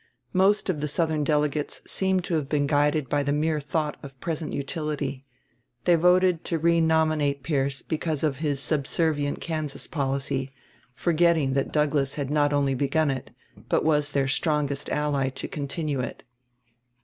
Most of the Southern delegates seem to have been guided by the mere thought of present utility; they voted to renominate Pierce because of his subservient Kansas policy, forgetting that Douglas had not only begun it, but was their strongest ally to continue it.